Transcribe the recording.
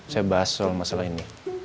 saya bahas soal masalah ini